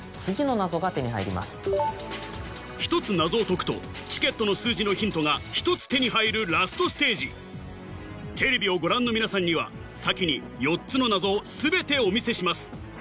１つ謎を解くとチケットの数字のヒントが１つ手に入るＬＡＳＴステージテレビをご覧の皆さんには先に４つの謎を全てお見せします